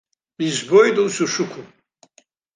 Избоит ус ушықәым.